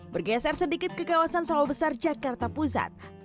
bergeser sedikit ke kawasan sawah besar jakarta pusat